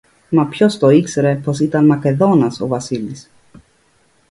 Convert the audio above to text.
Μα ποιος το ήξερε πως ήταν Μακεδόνας ο Βασίλης!